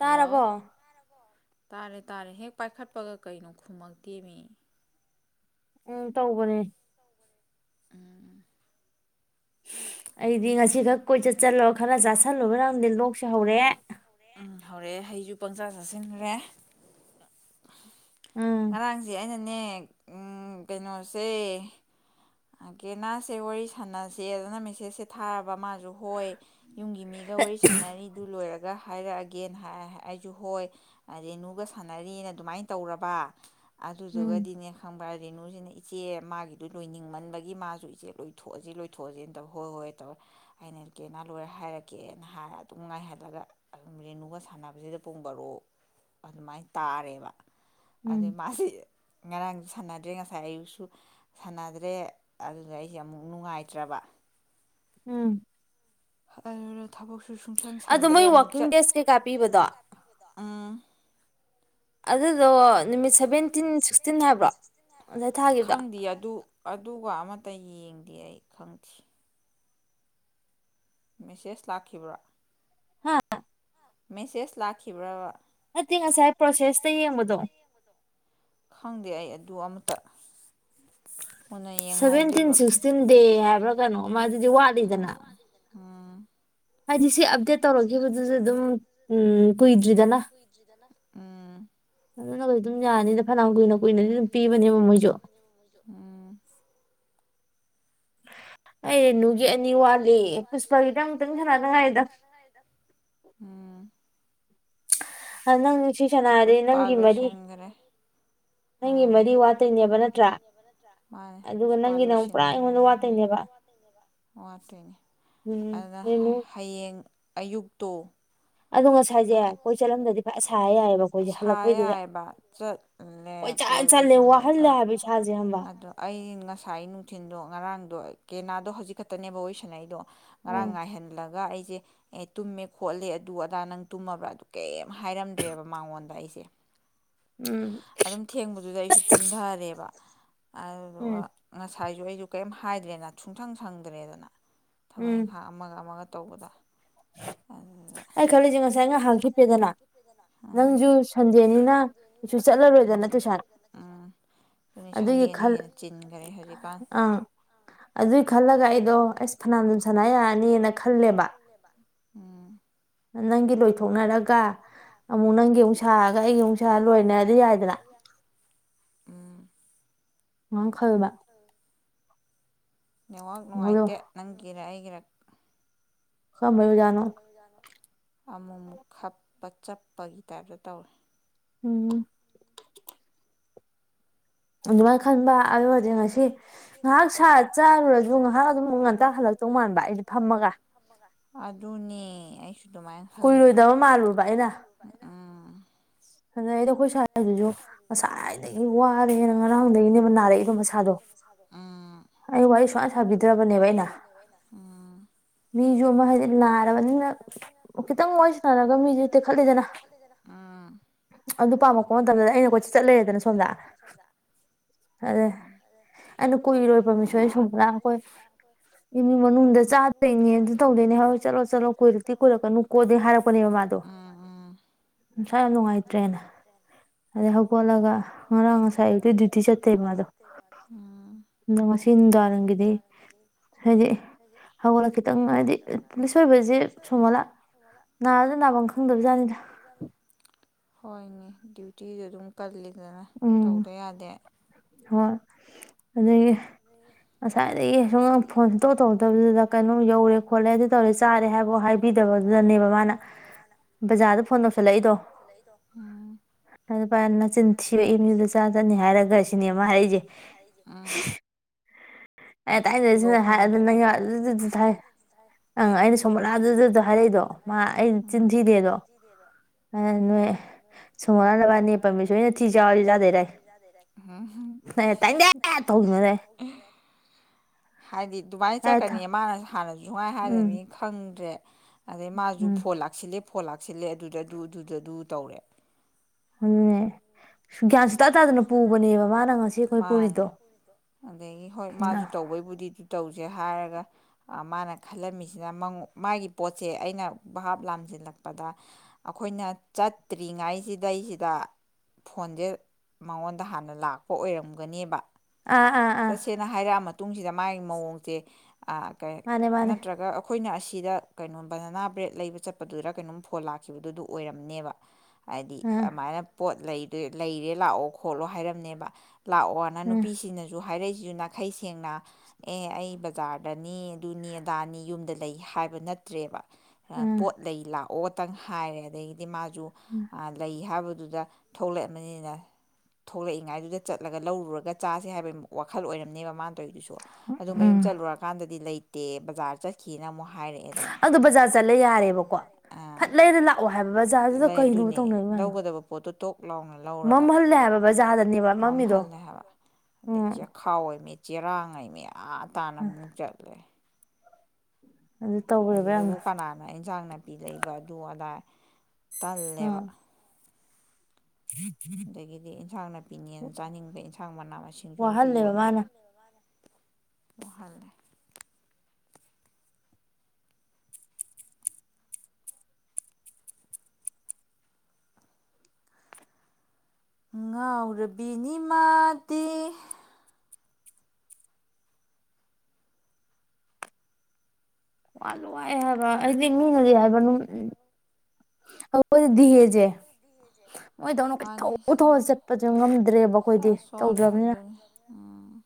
Hello ꯇꯥꯔꯦ ꯇꯥꯔꯦ ꯍꯦꯛ ꯄꯥꯏꯈꯠꯄꯒ ꯀꯩꯅꯣ ꯈꯨꯝꯃꯛꯇꯦꯃꯤ ꯎꯝ ꯇꯧꯕꯅꯦ ꯎꯝ ꯑꯩꯗꯤ ꯉꯁꯤꯈꯛ ꯂꯣꯛꯁꯨ ꯍꯧꯔꯛꯑꯦ ꯦ ꯄꯣꯟꯆꯥꯥ ꯆꯠꯁꯤꯟꯈ꯭ꯔꯦ ꯎꯝ ꯉꯔꯥꯡꯁꯦ ꯑꯩꯅꯅꯦ ꯀꯩꯅꯣꯁꯦ ꯒꯦꯅꯥꯁꯦ ꯋꯥꯔꯤ ꯁꯥꯟꯅꯁꯦ ꯑꯗꯨꯅ ꯃꯦꯁꯦꯁꯁꯦ ꯊꯥꯔꯕ ꯃꯥꯁꯨ ꯍꯣꯏ ꯌꯨꯝꯒꯤ ꯃꯤꯒ ꯋꯥꯔꯤ ꯁꯥꯟꯅꯔꯤꯗꯨ ꯂꯣꯏꯔ ꯒ ꯍꯥꯏꯔꯛꯑꯒꯦꯅ ꯑꯩꯁꯨ ꯍꯣꯏ ꯔꯦꯅꯨꯒ ꯁꯥꯟꯅꯔꯤꯅ ꯑꯗꯨꯃꯥꯏꯅ ꯇꯧꯔꯕ ꯎꯝ ꯑꯂꯨꯖꯒꯗꯤꯅꯦ ꯈꯪꯕ꯭ꯔꯥ ꯔꯦꯅꯨꯁꯤꯅ ꯏꯆꯦ ꯃꯥꯒꯤꯗꯨꯣ ꯂꯣꯏꯅꯤꯡ ꯍꯤꯡꯃꯟꯕꯒꯤ ꯃꯥꯁꯨ ꯏꯆꯦ ꯂꯣꯏꯊꯣꯛꯑꯁꯤ ꯂꯣꯏꯊꯣꯛꯑꯁꯤꯅ ꯇꯧꯦ ꯍꯣꯏ ꯍꯣꯏ ꯇꯧꯋꯦ ꯑꯩꯅ ꯏ ꯀꯦꯅꯥ ꯂꯣꯏꯔ ꯍꯥꯏꯔꯛꯀꯦꯅ ꯍꯥꯏꯔ ꯑꯗꯨꯝ ꯉꯥꯏꯍꯜꯂꯒ ꯑꯗꯨꯝ ꯔꯦꯅꯨꯒ ꯁꯥꯟꯅꯕꯁꯤꯗ ꯄꯨꯡ ꯕꯣꯔꯣꯛ ꯑꯗꯨꯃꯥꯏꯅ ꯇꯥꯔꯦꯕ ꯑ ꯎꯝ ꯃꯥꯔꯤ ꯉꯔꯥꯡꯁꯨ ꯁꯥꯟꯅꯗ꯭ꯔꯦ ꯉꯁꯥꯏ ꯑꯌꯨꯛꯁꯨ ꯁꯥꯟꯅꯗ꯭ꯔꯦ ꯦ ꯑꯗꯨꯗ ꯑꯩꯁꯦ ꯑꯃꯨꯛ ꯅꯨꯡꯉꯥꯏꯇ꯭ꯔꯕ ꯎꯝ ꯑ ꯊꯕꯣ ꯁꯨ ꯁꯨꯡꯁꯪ ꯑꯗꯣ ꯁꯪꯗ꯭ꯔꯦ ꯃꯣꯏ ꯑꯃꯨꯛ ꯋꯥꯛꯀꯤꯡ ꯆꯠꯂ ꯗꯦꯖ ꯀꯩꯀꯥ ꯄꯤꯕꯗꯣ ꯎꯝ ꯑꯗꯨꯗꯣ ꯅꯨꯃꯤꯠ ꯁꯚꯦꯟ ꯊꯥꯈꯤꯕꯗꯣ ꯈꯪꯗꯦ ꯑꯗꯨ ꯑꯗꯨꯒ ꯑꯃꯇ ꯌꯦꯡꯒꯦ ꯗꯤ ꯑꯏ ꯈꯪꯁꯤ ꯃꯦꯁꯦꯁ ꯂꯥꯛꯈꯤꯕ꯭ꯔꯥ ꯍꯥ ꯃꯦꯁꯦꯁ ꯂꯥꯛꯈꯤꯕ꯭ꯔꯕ ꯅꯠꯇꯦ ꯉꯁꯥꯏ ꯄ꯭ꯔꯣꯁꯦꯁꯇ ꯌꯦꯡꯕꯗꯣ ꯈꯪꯗ ꯑꯗꯨ ꯑꯃꯇ ꯃꯨꯟꯅ ꯁꯚꯦꯟꯇꯤꯟ ꯌꯦꯡꯍꯧꯗꯦꯕ ꯁꯤꯛꯁꯇꯤꯟ ꯗꯦ ꯍꯥꯏꯕ꯭ꯔꯥ ꯀꯩꯅꯣꯃ ꯑꯗꯨꯗꯤ ꯋꯥꯠꯂꯤꯗꯅ꯫ ꯎꯝ ꯍꯥꯏꯗꯤꯁꯤ ꯑ ꯍꯥꯏꯗꯤ ꯁꯤ ꯑꯞꯗꯦꯠ ꯇꯧꯔꯛꯈꯤꯕꯗꯨꯗ ꯗꯨꯝ ꯀꯨꯏꯗ꯭ꯔꯤꯗꯅ ꯀꯨꯏꯗ꯭ꯔꯤꯗꯅ꯫ ꯎꯝ ꯑꯗꯨꯅ ꯀ ꯑꯗꯨꯝ ꯌꯥꯅꯤꯗ ꯐꯅꯌꯥꯝ ꯀꯨꯏꯅ ꯀꯨꯏꯅꯗꯤ ꯑꯗꯨꯝ ꯄꯤꯕꯅꯦꯕ ꯃꯣꯏꯁꯨ꯫ ꯑꯩ ꯔꯦꯅꯨꯒꯤ ꯑꯅꯤ ꯋꯥꯠꯂꯤ ꯄꯨꯁꯄꯥꯒꯤꯗ ꯑꯃꯨꯛꯇꯪ ꯁꯥꯟꯅꯅꯉꯥꯏꯗ꯫ ꯎꯝ ꯍ ꯅꯪ ꯁꯤ ꯁꯅꯥꯗꯤ ꯄꯨꯁꯄꯥ ꯅꯪꯒꯤ ꯃꯔꯤ꯫ ꯂꯣꯏꯁꯤꯟꯈ꯭ꯔꯦ ꯅꯪꯒꯤ ꯑꯥ ꯃꯔꯤ ꯋꯥꯠꯇꯣꯏꯅꯦꯕ ꯅꯠ ꯃꯥꯅꯦ ꯄꯨꯁꯄꯥ ꯑꯃꯨꯛ ꯄꯨꯔꯥ ꯑꯩꯉꯣꯟꯗ ꯂꯣꯏꯁꯤꯟꯈ꯭ꯔꯅ ꯋꯥꯠꯇꯣꯏꯅꯦꯕ ꯋꯥꯠꯇꯣꯏꯅꯦ ꯎꯝ ꯑꯗꯨꯅ ꯔꯦꯅꯨ ꯍꯌꯦꯡ ꯑꯌꯨꯛꯇꯣ ꯑꯗꯣ ꯉꯁꯥꯏꯁꯦ ꯀꯣꯏ ꯆꯠꯂꯝꯗꯗꯤ ꯐꯖ ꯁꯥ ꯌꯥꯏꯑꯕ ꯑꯩꯈꯣꯏꯁꯦ ꯁꯥ ꯍꯜꯂꯛꯄꯩꯗꯨꯗ ꯌꯥꯏꯕ ꯆꯠꯂꯦ ꯀꯣꯏ ꯆꯠ ꯆꯠꯂꯦ ꯀꯣꯏꯕꯁꯨ ꯋꯥꯍꯜꯂꯦ ꯑꯃꯨꯛꯀ ꯍꯥꯏꯕ ꯏꯁꯥꯁꯦ ꯈꯪꯕ꯭ꯔꯥ ꯑꯗꯣ ꯑꯩ ꯉꯁꯥꯏ ꯅꯨꯡꯊꯤꯟꯜꯗꯣ ꯉꯔꯥꯡꯗꯣ ꯀꯦꯅꯥꯗꯣ ꯍꯧꯖꯤꯛ ꯈꯛꯇꯅꯦꯕ ꯋꯥꯔꯤ ꯁꯅꯩꯗꯣ꯫ ꯉꯔꯥꯡ ꯎꯝ ꯉꯥꯏꯍꯜꯂꯒ ꯑꯩ ꯖꯦ ꯑꯦ ꯇꯨꯝꯃꯦ ꯈꯣꯠꯂꯦ ꯑꯗꯨ ꯑꯗꯥ ꯅꯪ ꯇꯨꯝꯃꯕ꯭ꯔ ꯑꯗꯨ ꯀꯩ ꯍꯥꯏꯔꯝꯗ꯭ꯔꯦꯕ ꯃꯉꯣꯟꯗ ꯑꯩꯁꯦ ꯎꯝ ꯑꯗꯨꯝ ꯊꯦꯡꯕꯗꯨꯗ ꯑꯩꯁꯨ ꯇꯨꯝꯊꯔꯦꯕ꯫ ꯎꯝ ꯖꯨꯨ ꯀꯩꯁꯨ ꯀꯩꯝ ꯍꯥꯏꯗ꯭ꯔꯦꯅ ꯁꯨꯡꯁꯪ ꯁꯪꯗ꯭ꯔꯦꯗꯅ꯫ ꯊꯕꯛ ꯎꯝ ꯏꯡꯈꯥꯡ ꯑꯃꯒ ꯑꯃꯒ ꯇꯧꯕꯗ ꯑꯗꯨꯗ ꯑꯩ ꯈꯜꯂꯤꯁꯦ ꯉꯁꯥꯏ ꯉꯍꯥꯡ ꯈꯤꯞꯄꯦꯗꯅ ꯎꯝ ꯅꯪꯁꯨ ꯁꯟꯗꯦꯅꯤꯅ ꯀꯩꯁꯨ ꯆꯠꯂꯔꯣꯏꯗꯅ ꯎꯝ ꯇꯨꯁꯥꯟ ꯎꯝ ꯑꯗꯨꯅꯤ ꯑꯗꯨꯒꯤ ꯁꯟꯗꯦꯅ ꯈꯜ ꯍꯦꯟꯅ ꯆꯤꯟꯈꯔꯦ ꯍꯧꯖꯤꯛꯀꯥꯟ ꯑ ꯑꯗꯨꯏ ꯈꯜꯂꯒ ꯑꯩꯗꯣ ꯑꯁ ꯐꯅꯥꯝꯗꯨꯝ ꯁꯅꯥ ꯌꯥꯔꯅꯤꯅ ꯈꯜꯂꯦꯕ꯫ ꯎꯝ ꯅꯪꯒꯤ ꯂꯣꯏꯊꯣꯛꯅꯔꯒ ꯑꯃꯨꯛ ꯅꯪꯒꯤ ꯑꯃꯨꯛ ꯁꯥꯔꯒ ꯑꯩꯒꯤ ꯑꯃꯨꯛ ꯁꯥ ꯂꯣꯏꯅꯗꯤ ꯌꯥꯏꯗꯅ꯫ ꯍꯪ ꯅꯦꯋꯥꯛ ꯑꯗꯣ ꯅꯨꯡꯉꯥꯏꯇꯦ ꯅꯪꯒꯤꯔ ꯑꯩꯒꯤꯔ꯫ ꯈꯝꯃꯕꯖꯥꯅꫭ ꯑꯃꯨꯛ ꯑꯃꯨꯛ ꯈꯞꯄ ꯆꯞꯄꯒꯤ ꯇꯥꯏꯞꯇ ꯇꯧꯏꯦ ꯎꯝ ꯑꯗꯨꯃꯥꯏꯅ ꯈꯟꯕ ꯑꯗꯨ ꯑꯣꯏꯔꯗꯤ ꯉꯁꯤ ꯉꯥꯏꯍꯥꯛ ꯁꯥ ꯆꯥꯔꯨꯔꯁꯨ ꯉꯥꯏꯍꯥꯛ ꯑꯗꯨꯝ ꯉꯥꯛꯇ ꯍꯜꯂꯛꯇꯧ ꯃꯥꯟꯕ ꯑꯩꯁ ꯐꯝꯃꯒ ꯑꯗꯨꯅꯦ ꯑꯩꯁꯨ ꯑꯗꯨꯃꯥꯏꯅ ꯈꯜꯂꯦ ꯀꯨꯏꯔꯣꯏꯗꯕ ꯃꯥꯜꯂꯨꯕ ꯑꯩꯅ ꯑꯗꯥ ꯑꯩꯗꯣ ꯑꯗꯨ ꯑꯩ ꯑꯩꯈꯣꯏ ꯁꯥꯁꯨꯁꯥ ꯋꯥꯔꯦꯅ ꯋꯥꯔꯅ ꯉꯔꯥꯡꯗꯒꯤꯅꯦꯕ ꯉꯔꯥꯡ ꯅꯥꯔꯛꯏꯗꯣ ꯍꯧꯅꯦꯕ ꯃꯁꯥꯗꯣ ꯅꯥꯔꯛꯏꯗꯣ ꯃꯁꯥꯗꯣ ꯑꯩ ꯋꯥꯔꯤ ꯁꯨꯡꯁꯥꯟ ꯑꯩ ꯋꯥꯔꯤ ꯁꯨꯃꯥꯏꯅ ꯁꯥꯕꯤꯗ꯭ꯔꯕꯅꯦꯕ ꯑꯩꯅ ꯁꯥꯕꯤꯗ꯭ꯔꯕꯅꯦꯕ ꯑꯩꯅ ꯃꯤꯁꯨ ꯑꯃ ꯍꯥꯏꯗꯤ ꯃꯤꯁꯨ ꯍꯥꯏꯗꯤ ꯅꯥꯔꯕꯅꯤꯅ ꯅꯥꯔꯕꯅꯤꯅ ꯈꯤꯇꯪ ꯋꯥꯔꯤ ꯈꯤꯇꯪ ꯋꯥꯔꯤ ꯁꯔꯁꯨ ꯇꯦꯛꯠꯂꯦꯗꯅ ꯑꯗꯨ ꯑꯗꯨ ꯄꯥꯝꯃꯛꯄ ꯃꯇꯝꯗ ꯑꯩꯅ ꯀꯣꯏꯆ ꯆꯠ ꯂꯩꯌꯦꯗꯅ ꯁꯣꯝꯗ ꯑꯗ ꯎꯝ ꯑꯩꯅ ꯀꯨꯏꯔꯣꯏꯕ ꯃꯤꯁꯨ ꯑꯩ ꯁꯣꯝꯅ ꯑꯩꯈꯣꯏ ꯏꯃꯨꯡ ꯃꯅꯨꯡꯗ ꯆꯥꯗꯣꯏꯅꯦꯅ ꯇꯧꯗꯣꯏꯅꯦ ꯍꯣꯏ ꯆꯠꯂꯣ ꯆꯠꯂꯣ ꯀꯨꯏꯔꯛꯇꯤ ꯀꯨꯔꯛꯀꯅꯨ ꯀꯣꯗꯦ ꯍꯥꯏꯔꯛꯄꯅꯦꯕ ꯃꯥꯗꯣ ꯃꯥꯁꯥ ꯌꯥꯝ ꯅꯨꯡꯉꯥꯏꯇ꯭ꯔꯦꯅ ꯑꯗꯩ ꯍꯧꯒꯠꯂꯒ ꯉꯔꯥꯡ ꯉꯁꯥꯏ ꯑ ꯗ꯭ꯌꯨꯇꯤ ꯆꯠꯇꯦ ꯃꯥꯗꯣ ꯎꯝ ꯑꯗꯣ ꯉꯁꯤ ꯅꯨꯡꯗꯥꯡꯔꯝꯒꯤꯗꯤ ꯍꯥꯏꯗꯤ ꯍꯧꯒꯠꯂ ꯈꯤꯇꯪ ꯍꯥꯏꯗꯤ ꯄꯨꯂꯤꯁ ꯑꯣꯏꯕꯁꯦ ꯁꯨꯃꯣꯂꯥ ꯅꯥꯔꯥꯁꯨ ꯅꯥꯐꯝ ꯈꯪꯗꯕꯖꯥꯠꯅꯤꯗ ꯍꯣꯏꯅꯦ ꯗꯌꯨꯇꯤ ꯑꯗꯨꯝ ꯀꯜꯂꯤ ꯐꯖꯅ ꯎꯝ ꯇꯧꯗ ꯌꯥꯗꯦ ꯍꯣꯏ ꯑꯗꯒꯤ ꯉꯁꯥꯏꯗꯒꯤ ꯐꯣꯟ ꯁꯨꯡꯇꯧ ꯇꯧꯗꯕꯗꯨꯗ ꯀꯩꯅꯣꯝ ꯌꯧꯔꯦ ꯈꯣꯠꯂꯦ ꯑꯗꯨ ꯇꯧꯔꯦ ꯆꯥꯔꯦ ꯍꯥꯏꯕ ꯍꯥꯏꯕꯤꯗꯕꯗꯨꯗꯅꯦꯕ ꯃꯥꯅ ꯕꯖꯥꯔꯗ ꯐꯣꯟ ꯇꯧꯁꯜꯂꯛꯏꯗꯣ ꯎꯝ ꯑꯗꯨ ꯄꯥꯏ ꯅꯆꯤꯟ ꯊꯤꯔꯛꯏ ꯅꯦꯕ ꯆꯥ ꯆꯠꯅꯤ ꯍꯥꯏꯔꯒ ꯁꯤꯅꯦ ꯃꯥ ꯍꯥꯏꯔꯛꯏꯁꯦ ꯑꯗ ꯑꯦ ꯇꯥꯏꯅꯤꯡꯗꯦꯁꯦ ꯍꯥꯏ ꯅꯪ ꯑꯗꯨꯗꯤ ꯊꯥꯏ ꯑꯪ ꯑꯩꯅ ꯁꯣꯃꯣꯂꯥꯗꯨꯗꯨꯗ ꯍꯥꯏꯔꯛꯏꯗꯣ ꯃꯥ ꯑꯩ ꯆꯤꯟ ꯊꯤꯗꯦꯗꯣ ꯎꯝ ꯅꯣꯏ ꯁꯣꯃꯣꯂꯥ ꯅꯕꯥꯅꯤ ꯄꯔꯃꯦꯁꯣꯔꯅ ꯊꯤ ꯆꯥꯎꯔꯗꯤ ꯆꯥꯗꯣꯏꯔ ꯎꯝ ꯑꯩꯅ ꯇꯥꯏꯅꯤꯡꯗꯦ ꯇꯧꯈꯤꯕꯅꯦ ꯑꯗꯩ ꯎꯝ ꯍꯥꯏꯗꯤ ꯃꯥꯏꯅ ꯌꯥꯔꯦ ꯆꯠꯀꯅꯤ ꯊꯝ ꯃꯥꯅ ꯍꯥꯟꯅꯖꯨ ꯁꯨꯨꯡꯍꯥꯏ ꯎꯝ ꯍꯥꯏꯗꯃꯤ ꯅꯪꯖꯦ ꯑꯗꯩ ꯃꯥꯁꯨꯨ ꯎꯝ ꯐꯣꯟ ꯂꯥꯛꯁꯤꯂꯦ ꯐꯣꯟ ꯂꯥꯛꯁꯤꯜꯂꯦ ꯑꯗꯨꯗꯗꯨ ꯑꯗꯨꯗꯗꯨ ꯇꯧꯔꯦ ꯑꯗꯨꯅꯦ ꯒ꯭ꯌꯥꯟ ꯁꯨꯇꯥ ꯇꯥꯗꯅ ꯄꯨꯕꯅꯦꯕ ꯃꯥꯅ ꯉꯁꯤ ꯑꯩꯈꯣꯏ ꯃꯥꯅꯦ ꯄꯨꯔꯤꯗꯣ ꯑꯗꯩꯒꯤ ꯍꯣꯏ ꯃꯥꯁꯨ ꯇꯧꯕꯩꯕꯨꯗꯤ ꯑꯗꯨ ꯇꯧ ꯍꯧꯖꯤꯛ ꯍꯥꯏꯔꯒ ꯃꯥꯅ ꯈꯜꯂꯝꯃꯤꯁꯤꯅ ꯃꯥꯒꯤ ꯄꯣꯠꯁꯦ ꯑꯩꯅ ꯚꯥꯞ ꯂꯥꯝꯁꯤꯜꯂꯛꯄꯗ ꯑꯩꯈꯣꯏꯅ ꯆꯠꯇ꯭ꯔꯤꯉꯥꯏꯁꯤꯗꯩꯁꯤꯗ ꯐꯣꯟꯁꯦ ꯃꯉꯣꯟꯗ ꯍꯥꯟꯅ ꯂꯥꯛꯄ ꯑꯣꯏꯔꯝꯒꯅꯦꯕ ꯑꯥ ꯑꯥ ꯑꯥ ꯑꯥ ꯆꯠꯁꯦꯅ ꯍꯥꯏꯔꯛꯑ ꯇꯨꯡꯁꯤꯗ ꯃꯥꯒꯤ ꯃꯑꯣꯡꯁꯦ ꯃꯥꯅꯦ ꯃꯥꯅꯦ ꯅꯠꯇ꯭ꯔꯒ ꯑꯩꯈꯣꯏ ꯑꯩꯈꯣꯏꯅ ꯑꯁꯤꯗ ꯀꯩꯅꯣꯝ ꯕꯅꯅꯥ ꯕ꯭ꯔꯦꯗ ꯂꯩꯕ ꯆꯠꯄꯗꯨꯗ ꯀꯩꯅꯣꯝ ꯐꯣꯟ ꯂꯥꯛꯈꯤꯕꯗꯨꯗꯨ ꯑꯣꯏꯔꯝꯅꯦꯕ꯫ ꯍꯥꯏꯗꯤ ꯑꯥ ꯑꯗꯨꯃꯥꯏꯅ ꯄꯣꯠ꯫ ꯂꯩ ꯂꯩꯔꯦ ꯂꯥꯛꯑꯣ ꯈꯣꯠꯂꯣ ꯍꯥꯏꯔꯝꯅꯦꯕ꯫ ꯂꯥꯛꯑꯣꯅ ꯑꯥ ꯅꯨꯄꯤꯁꯤꯡꯅꯁꯨ꯫ ꯍꯥꯏꯔꯛꯏꯁꯤꯁꯨ ꯅꯥꯈꯩ ꯁꯦꯡꯅ ꯑꯦ ꯑꯩ ꯕꯖꯥꯔꯗꯅꯤ ꯑꯗꯨꯅꯤ ꯑꯗꯥꯅꯤ ꯌꯨꯝꯗ ꯂꯩ ꯍꯥꯏꯕ ꯅꯠꯇ꯭ꯔꯦꯕ꯫ ꯑꯥ ꯄꯣꯠ ꯂꯩ ꯂꯥꯎ꯫ ꯑꯣꯇꯪ ꯍꯥꯏꯔꯦ ꯑꯗꯩꯩ꯫ ꯃꯥꯁꯨ ꯑ ꯂꯩ ꯍꯥꯏꯕ꯫ ꯑꯗꯨꯗ ꯊꯣꯛꯂꯛꯑꯕꯅꯤꯅ ꯊꯣꯛꯂꯛꯏꯉꯥꯏꯗꯨꯗ ꯆꯠꯂꯒ ꯂꯧꯔꯨꯔꯒ ꯆꯥꯁꯦ ꯍꯥꯏꯕꯩ꯫ ꯋꯥꯈꯜ ꯑꯣꯏꯔꯝꯅꯦꯕ ꯃꯥ꯫ ꯇꯧꯔꯤꯗꯨꯁꯨ ꯑꯗꯨ ꯃꯌꯨꯝ ꯎꯝ ꯆꯠꯂꯨꯔꯀꯥꯟꯗꯗꯤ ꯂꯩ꯫ ꯇꯦ ꯕꯖꯥꯔ ꯆꯠꯈꯤꯅ ꯃꯣꯛ꯫ ꯑꯗꯨ ꯕꯖꯥꯔ ꯆꯠꯂꯦ ꯌꯥꯔꯦꯕꯀꯣ ꯑꯥ ꯐꯠ ꯂꯩꯔ ꯂꯥꯛꯑꯣ꯫ ꯍꯥꯏꯕ ꯕꯖꯥꯔꯗꯨꯗ ꯀꯩꯅꯣꯕ ꯇꯧꯅꯩ ꯃꯗꯣ꯫ ꯅꯧꯅꯥ ꯂꯧꯔꯒ ꯃꯝꯃꯤꯗꯣ ꯃꯝꯍꯜꯂꯦ ꯍꯥꯏꯕ ꯎꯝ ꯆꯦꯈꯥꯎ ꯃꯤ꯫ ꯆꯔꯥꯡꯥꯏ ꯃꯌꯥ꯫ ꯑꯥ ꯇꯥꯅ ꯑꯃꯨꯛ ꯆꯠꯂꯦ꯫ ꯑꯗꯨ ꯇꯧꯔꯦꯕ ꯑꯗꯨꯗꯕꯨ ꯌꯥꯝꯅ ꯀꯅꯥꯅ ꯏꯟꯁꯥꯡ ꯫ ꯂꯩꯕ ꯑꯗꯨ ꯑꯗ꯫ ꯇꯜꯂꯦꯕ꯫ ꯎꯝ ꯑꯗꯒꯤꯗꯤ ꯏꯟꯁꯥꯡ ꯅꯥꯄꯤꯅꯦꯅ ꯆꯥꯅꯤꯡꯗꯦ ꯏꯟꯁꯥꯡ ꯃꯅꯥ ꯃꯁꯤꯡꯁꯨ ꯑꯝꯇ ꯋꯥꯍꯜꯂꯦꯕ ꯌꯣꯟꯗꯦ꯫ ꯃꯥꯅ ꯋꯥꯍꯜꯂꯦ꯫ ꯉꯥꯎꯔꯕꯤꯅꯤ ꯃꯥꯗꯤ꯫ ꯋꯥꯁꯨ-ꯋꯥꯑꯦ ꯍꯥꯏꯕ ꯑꯩꯗꯤ ꯃꯤꯅꯗꯤ ꯍꯥꯏꯕ ꯎ ꯑꯩꯈꯣꯏꯗꯤ ꯗꯤꯍꯦꯁꯦ꯫ ꯃꯣꯏꯗꯧꯅ ꯃꯥꯅꯤ ꯀꯣꯏꯊꯧ-ꯊꯧꯔ ꯆꯠꯄꯁꯨ ꯉꯝꯗ꯭ꯔꯦꯕ ꯑꯩꯈꯣꯏꯗꯤ ꯏꯁꯥ ꯁꯣꯜꯂꯦ ꯇꯧꯗ꯭ꯔꯕꯅꯤꯅ꯫ ꯑꯗꯨꯅꯤ ꯎꯝ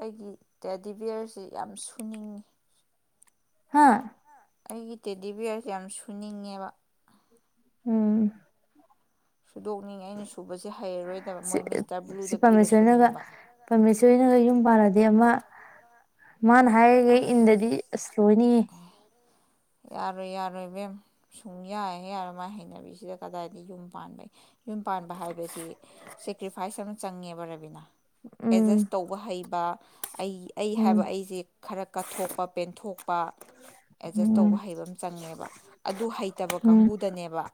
ꯑꯩꯒꯤ ꯇꯦꯗꯤꯕꯤꯌꯔꯁꯤ ꯌꯥꯝ ꯁꯨꯅꯤꯡꯉꯤ꯫ ꯍꯥꯥ꯫ ꯑꯩꯒꯤ ꯇꯦꯗꯤꯕꯤꯌꯔꯁꯦ ꯌꯥꯝ ꯁꯨꯅꯤꯡꯉꯦꯕ꯫ ꯎꯝ꯫ ꯁꯨꯗꯣꯛꯅꯤꯡꯉ ꯑꯩꯅ ꯁꯨꯕꯁꯦ ꯍꯩꯔꯔꯣꯏꯗꯕ ꯁꯤ ꯃꯣꯏ ꯃꯤꯁꯇꯔ ꯁꯤ ꯕ꯭ꯂꯨꯗ ꯄꯤꯔ ꯁꯨꯅꯤꯡꯕ꯫ ꯃꯥꯃꯅꯕꯤ ꯑꯃ꯫ ꯃꯥꯅ ꯍꯥꯏꯔꯤꯉꯩ ꯑꯁ ꯏꯟꯗꯗꯤ ꯑꯁ ꯂꯣꯏꯅꯤꯌꯦ꯫ ꯌꯥꯔꯣꯏ-ꯌꯥꯔꯣꯏ ꯏꯕꯦꯝ ꯁꯨꯡ ꯌꯥꯍꯦꯛ - ꯌꯥꯔꯣꯏ ꯃꯥꯒꯤ ꯍꯩꯅꯕꯤꯁꯤꯗ ꯀꯗꯥꯏꯗ ꯌꯨꯝ ꯄꯥꯟꯕ ꯌꯨꯝ ꯄꯥꯟꯕ ꯍꯥꯏꯕꯁꯤ ꯁꯦꯀ꯭ꯔꯤꯐꯥꯏꯁ ꯑꯃ ꯆꯪꯉꯦꯕ ꯔꯕꯤꯅꯥ꯫ ꯎꯝ ꯑꯦꯠꯖꯁ ꯇꯧꯕ ꯍꯩꯕ꯫ ꯑꯩ ꯑꯩ ꯎꯝ ꯍꯥꯏꯕ ꯑꯩꯁꯦ ꯈꯔ ꯀꯠꯊꯣꯛꯄ ꯄꯦꯟꯊꯣꯛꯄ ꯑꯦꯗꯖꯁ ꯎꯝ ꯇꯧꯕ ꯍꯩꯕ ꯑꯃ ꯆꯪꯉꯦꯕ ꯑꯗꯨ ꯍꯩꯇꯕ ꯎꯝ ꯀꯥꯡꯕꯨꯗꯅꯦꯕ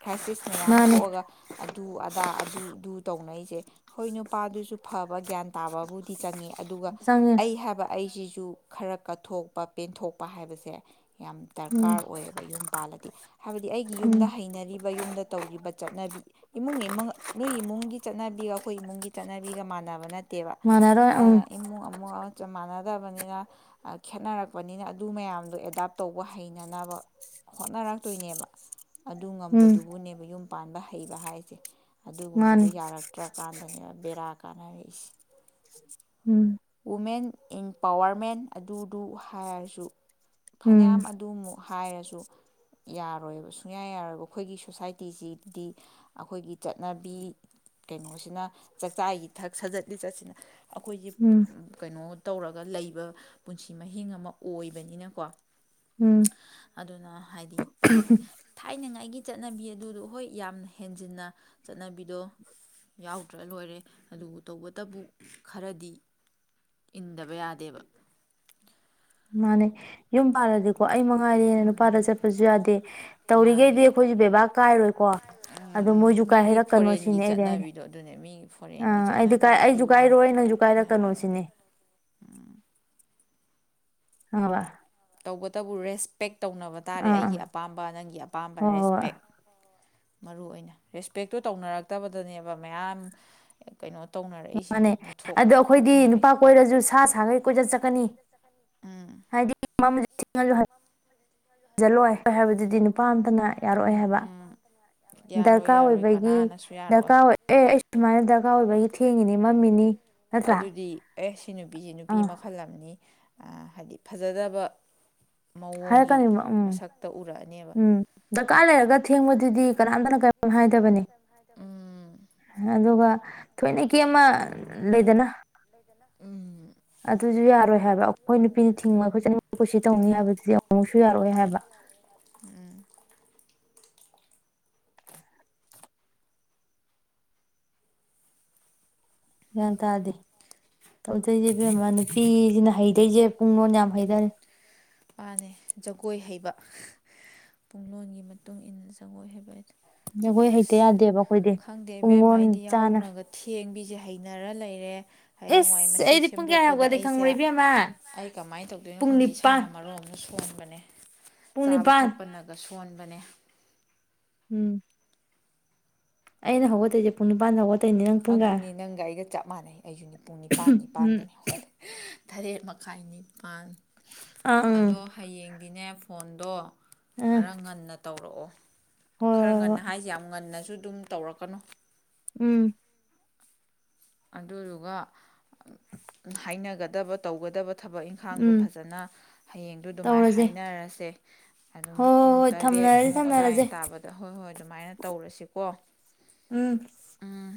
ꯈ꯭ꯔꯥꯏꯁꯤꯁ ꯃꯌꯥꯝ ꯃꯥꯅꯦ ꯊꯣꯛꯑꯒ ꯑꯗꯨ ꯑꯗꯥ ꯑꯗꯨ ꯑꯗꯨ ꯇꯧꯅꯩꯁꯦ ꯍꯣꯏ ꯅꯨꯄꯥꯗꯨꯁꯨ ꯐꯕ ꯒ꯭ꯌꯥꯟ ꯇꯥꯕꯕꯨꯗꯤ ꯆꯪꯉꯤ ꯑꯗꯨꯒ ꯆꯪꯉꯦ ꯑꯩ ꯍꯥꯏꯕ ꯑꯩꯁꯤ ꯇꯨ ꯈꯔ ꯀꯠꯊꯣꯛꯄ ꯄꯦꯟꯊꯣꯛꯄ ꯍꯥꯏꯕꯁꯦ ꯌꯥꯝ ꯎꯝ ꯗꯔꯀꯥꯔ ꯑꯣꯏꯌꯦꯕ ꯌꯨꯝ ꯄꯥꯜꯂꯗꯤ ꯍꯥꯏꯕꯗꯤ ꯑꯩꯒꯤ ꯌꯨꯝꯗ ꯎꯝ ꯍꯩꯅꯔꯤꯕ ꯌꯨꯝꯗ ꯇꯧꯔꯤꯕ ꯆꯠꯅꯕꯤ ꯏꯃꯨꯡꯨꯡ ꯅꯣꯏꯒꯤ ꯏꯃꯨꯡꯒꯤ ꯆꯠꯅꯕꯤꯒ ꯑꯩ ꯑꯩꯈꯣꯏ ꯏꯃꯨꯡꯒꯤ ꯆꯠꯅꯕꯤꯒ ꯃꯥꯟꯅꯕꯅ ꯠꯇꯦꯕ ꯃꯥꯟꯅꯔꯣꯏ ꯎꯝ ꯑꯗꯨꯅ ꯏꯃꯨꯡ ꯑꯃꯨ ꯑꯃ ꯆꯞ ꯃꯥꯟꯅ ꯗꯕꯅꯤ ꯈꯦꯠꯅꯔꯛꯄꯅꯤꯅ ꯑꯗꯨ ꯃꯌꯥꯝꯗꯣ ꯑꯦꯗꯥꯞ ꯇꯧꯕ ꯍꯩꯅꯅꯕ ꯍꯣꯠꯅꯔꯛꯇꯣꯏꯅꯦꯕ ꯑꯗꯨ ꯎꯝ ꯉꯝꯕꯗꯨꯕꯨꯅꯦꯕ ꯌꯨꯝ ꯄꯥꯟꯕ ꯍꯩꯕ ꯍꯥꯏꯁꯦ ꯑꯗꯨꯒꯨꯝꯕꯗꯨ ꯃꯥꯅꯤ ꯌꯥꯔꯛꯇ꯭ꯔꯀꯥꯟꯗꯅꯦ ꯕꯦꯔꯥ ꯀꯥꯟꯅꯔꯤ ꯏꯐ ꯎꯝ ꯃꯦꯟ ꯏꯟ ꯄꯋꯥꯔꯃꯦꯟ ꯑꯗꯨꯗꯨ ꯍꯥꯏꯔꯁꯨ ꯎꯝ ꯐꯅꯌꯥꯝ ꯑꯗꯨꯃꯨꯛ ꯍꯥꯏꯔꯁꯨ ꯌꯥꯔꯣꯏꯕ ꯁꯨꯡꯌꯥ ꯌꯥꯔꯣꯏꯕ ꯑꯩꯈꯣꯏꯒꯤ ꯁꯣꯁꯥꯏꯇꯤꯁꯤꯗꯤ ꯑꯩꯈꯣꯏꯒꯤ ꯆꯠꯅꯕꯤ ꯀꯩꯅꯣꯁꯤꯅ ꯆꯥꯛꯆꯥꯏ ꯌꯨꯊꯛ ꯁꯥꯖꯠ ꯂꯤꯆꯠꯁꯤꯅ ꯑꯩꯈꯣꯏꯒꯤ ꯎꯝ ꯀꯩꯅꯣ ꯇꯧꯔꯛ ꯒ ꯂꯩꯕ ꯄꯨꯟꯁꯤ ꯃꯍꯤꯡ ꯑꯃ ꯑꯣꯏꯕꯅꯤꯅꯀꯣ ꯎꯝ ꯑꯗꯨꯅ ꯍꯥꯏꯗꯤ ꯍꯥꯏꯗꯤ ꯊꯥꯏꯅꯉꯩꯒꯤ ꯆꯠꯅꯕꯤ ꯑꯗꯨꯗ ꯍꯣꯏ ꯌꯥꯝꯅ ꯍꯦꯟꯖꯤꯟꯅ ꯆꯠꯅꯕꯤꯗꯣ ꯌꯥꯎꯗ꯭ꯔ ꯂꯣꯏꯔꯦ ꯑꯗꯨꯕꯨ ꯇꯧꯕꯇꯕꯨ ꯈꯔꯗꯤ ꯏꯟꯗꯕ ꯕ ꯌꯥꯗꯦꯕ ꯃꯥꯅꯦ ꯌꯨꯝ ꯄꯥꯟꯂꯗꯤꯕ ꯀꯣ ꯑꯩ ꯃꯉꯥꯏꯔꯦꯅ ꯅꯨꯄꯥꯗ ꯆꯠꯄꯁꯨ ꯌꯥꯗꯦ ꯇꯧꯔꯤꯈꯩꯗꯤ ꯌꯥꯗꯦꯕ ꯑꯩꯈꯣꯏꯁꯨꯦ ꯕꯦꯕꯥꯔ ꯀꯥꯏꯔꯣꯏꯀꯣ ꯑꯗꯣ ꯃꯣꯏꯁꯨ ꯀꯥꯏ ꯃꯤꯒꯤ ꯍꯥꯏꯩꯔꯛꯀꯅꯣ ꯁꯤꯅꯦ ꯐꯣꯔꯦꯟꯒꯤ ꯑꯩꯗꯤ ꯍꯥꯏꯔ ꯆꯠꯅꯕꯤꯗꯣ ꯑꯗꯨꯅꯦ ꯃꯤꯒꯤ ꯐꯣꯔꯦꯟꯒꯤ ꯑꯥ ꯑꯩꯗꯤ ꯀꯥꯏ ꯆꯠꯅꯕꯤꯗꯣ ꯑꯩꯁꯨ ꯀꯥꯏꯔꯣꯏ ꯑꯗꯨꯃꯛꯇꯤ ꯅꯪꯁꯨ ꯀꯥꯏꯔꯛꯀꯅꯣ ꯌꯥꯔꯣꯏ ꯁꯤꯅꯤ ꯈꯡꯉꯕ ꯑꯣ ꯇꯕꯨ ꯔꯦꯁꯄꯦꯛ ꯇꯧꯅꯕ ꯇꯥꯔꯦ ꯑꯥ ꯑꯩꯒꯤ ꯑꯥ ꯑꯄꯥꯝꯕ ꯅꯪꯒꯤ ꯑꯄꯥꯝꯕ ꯍꯣꯏ ꯍꯣꯏ ꯍꯣꯏ ꯔꯦꯁꯄꯦꯛ ꯃꯔꯨ ꯑꯣꯏꯅ ꯔꯦꯁꯄꯦꯛꯇꯨ ꯇꯧꯅꯔꯛꯇꯕꯗꯅꯦꯕ ꯃꯌꯥꯝ ꯀꯩꯅꯣ ꯇꯧꯅꯔꯛꯏꯁꯦ ꯃꯥꯅꯦ ꯋꯥꯊꯣꯛ ꯑꯗꯣ ꯑꯩꯈꯣꯏꯗꯤ ꯅꯨꯄꯥ ꯊꯣꯛꯅꯔꯛꯏꯁꯦ ꯀꯣꯏꯔꯁꯨ ꯁꯥ ꯁꯥꯈꯩ ꯀꯣꯏꯆꯠ ꯆꯠꯀꯅꯤ ꯎꯝ ꯍꯥꯏꯗꯤ ꯃꯝ ꯊꯦꯡꯉꯖꯨꯂ ꯍꯜꯂꯣꯏ ꯍꯣꯏ ꯍꯥꯏꯕꯗꯨꯗꯤ ꯅꯨꯄꯥ ꯑ ꯑꯃꯇꯅ ꯌꯥꯔꯛꯑꯦ ꯍꯥꯏꯕ ꯎꯝ ꯌꯥꯔꯣꯏ ꯗꯔꯀꯥꯔ ꯌꯥꯔꯣꯏ ꯑꯣꯏꯕꯒꯤ ꯀꯅꯥꯅꯁꯨ ꯌꯥꯔꯣꯏ ꯗꯔꯀꯥꯔ ꯑꯣꯏ ꯑꯦ ꯁꯨꯃꯥꯏꯅ ꯗꯔꯀꯥꯔ ꯑꯣꯏꯕꯒꯤ ꯊꯦꯡꯉꯤꯅꯤ ꯃꯝꯃꯤꯅꯤ ꯅꯠꯇ꯭ꯔꯥ ꯑꯗꯨꯗꯤ ꯑꯦ ꯁꯤ ꯅꯨꯄꯤꯁ ꯅꯨꯄꯤ ꯑꯥ ꯃꯈꯜ ꯑꯃꯅꯤ ꯍꯥꯏꯗꯤ ꯐꯖꯗꯕ ꯃꯑꯣꯡꯒꯤ ꯍꯥꯏꯔꯛꯀꯅꯤꯕ ꯎꯝ ꯃꯁꯛꯇ ꯎꯔꯛꯑꯅꯦꯕ ꯎꯝ ꯗꯔꯀꯥꯔ ꯂꯩꯔꯒ ꯊꯦꯡꯕꯗꯨꯗꯤ ꯀꯅꯥꯝꯇꯅ ꯀ ꯍꯥꯏꯗꯕꯅꯤ ꯑꯗꯨꯒ ꯊꯣꯏꯅ ꯀ ꯑꯃ ꯂꯩꯗꯅ [inaudible] ꯑ ꯑꯗꯨꯁꯨ ꯌꯥꯔ ꯑꯣꯏ ꯍꯥꯏꯕ ꯑꯩꯈꯣꯏ ꯅꯨꯄꯤꯅ ꯊꯤꯡꯕ ꯑꯩꯈꯣꯏ ꯆꯅꯃꯛ ꯄꯨꯁꯤ ꯇꯧꯅꯤ ꯍꯥꯏꯕꯗꯨꯗꯤ ꯑꯃꯨꯛꯁꯨ ꯌꯥꯔꯣꯏ ꯍꯥꯏꯕ ꯒ꯭ꯌꯥꯟ ꯇꯥꯔꯗꯤ ꯇꯧꯗꯣꯏꯁꯦꯃ ꯅꯨꯄꯤꯁꯤꯅ ꯍꯩꯗꯣꯏꯁꯦ ꯄꯨꯡ ꯂꯣꯟ ꯌꯥꯝ ꯍꯩꯊꯔꯦ ꯄꯥꯅꯦ ꯖꯒꯣꯏ ꯍꯩꯕ ꯄꯨꯡꯂꯣꯟꯒꯤ ꯃꯇꯨꯡ ꯏꯟꯅ ꯖꯒꯣꯏ ꯍꯩꯕ ꯍꯥꯏ ꯖꯒꯣꯏ ꯍꯩꯇ ꯌꯥꯗꯦꯕ ꯑꯩꯈꯣꯏꯗꯤ ꯈꯪꯗꯦ ꯄꯨꯡ ꯂꯣꯟ ꯆꯥꯅ ꯁꯤ ꯍꯩꯅꯔ ꯂꯩꯔꯦ ꯍꯌꯦꯡꯋꯥꯏ ꯏꯁ ꯃꯁꯤ ꯑꯩꯗꯤ ꯄꯨꯡ ꯀꯌꯥ ꯁꯦꯝꯗꯣꯛꯄꯗ ꯍꯧꯒꯠꯂꯤ ꯑꯩꯁꯦ ꯈꯪꯕ꯭ꯔ ꯏꯕꯦꯝꯃ ꯑꯩ ꯀꯃꯥꯏꯅ ꯇꯧꯗꯣꯏꯅꯣ ꯄꯨꯡ ꯈꯪꯗꯦ ꯅꯤꯄꯥꯟ ꯏꯁꯥꯅ ꯌꯥꯝꯅ ꯁꯣꯟꯕꯅꯦ [unintelligible] ꯄꯨꯡ ꯆꯥꯕ ꯅꯤꯄꯥꯟ ꯊꯛꯄꯅꯒꯁꯨ ꯀꯣꯟꯕꯅꯦ ꯎꯝ ꯑꯩꯅ ꯍꯧꯒꯠꯇꯗꯣꯏꯁꯦ ꯄꯨꯡ ꯅꯤꯄꯥꯟ ꯍꯧꯒꯠ ꯑꯗꯨꯅꯤ ꯅꯪꯒ ꯑꯩꯒ ꯆꯞ ꯃꯥꯟꯩ ꯑꯩꯁꯨ ꯅꯤꯄꯨ ꯅꯤꯄꯥꯟ ꯎꯝ ꯅꯤꯄꯥꯟꯗꯅꯤ ꯍꯣꯠꯂ ꯇꯔꯦꯠ ꯃꯈꯥꯏꯅꯤ ꯑ ꯑꯥ ꯎꯝ ꯑꯗꯣ ꯍꯌꯦꯡ ꯏꯅꯦ ꯐꯣꯟꯗꯣ ꯑꯥ ꯈꯔ ꯉꯟꯅ ꯇꯧꯔꯛꯑꯣ ꯍꯣꯏ ꯈꯔ ꯍꯣꯏ ꯉꯟꯅ ꯍꯣꯏ ꯍꯥꯏꯁꯦ ꯌꯥꯝ ꯉꯟꯅꯁꯨ ꯑꯗꯨꯝ ꯇꯧꯔꯛꯀꯅꯨ ꯎꯝ ꯑꯗꯨꯗꯨꯒ ꯍꯥꯏꯅꯒꯗꯕ ꯇꯧꯒꯗꯕ ꯊꯕꯛ ꯏꯪꯈꯥꯡꯗꯣ ꯎꯝ ꯐꯖꯅ ꯍꯌꯦꯡꯗꯨ ꯑꯗꯨꯃꯥꯏꯅ ꯇꯧꯔꯁꯦ ꯍꯥꯏꯅꯔꯁꯦ ꯑꯗꯨꯝ ꯍꯣꯏ ꯍꯣꯏ ꯄꯨꯡ ꯍꯣꯏ ꯊꯝꯅꯔꯁꯤ ꯇꯔꯦꯠꯃꯨꯛ ꯑꯗꯥꯏ ꯊꯝꯅꯔꯁꯦ ꯇꯥꯕꯗ ꯍꯣꯏ ꯍꯣꯏ ꯑꯗꯨꯃꯥꯏꯅ ꯇꯧꯔꯁꯤꯀꯣ ꯎꯝ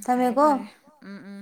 ꯊꯃꯦꯀꯣ ꯑꯥꯥ